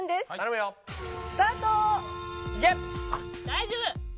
大丈夫！